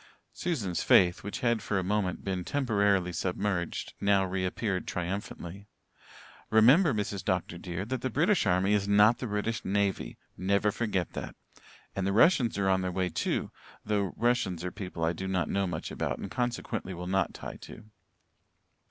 Susan's faith, which had for a moment been temporarily submerged, now reappeared triumphantly. "Remember, Mrs. Dr. dear, that the British army is not the British navy. Never forget that. And the Russians are on their way, too, though Russians are people I do not know much about and consequently will not tie to."